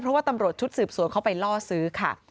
เพราะว่าตำรวจชุดสืบสวนเข้าไปล่อซื้อค่ะ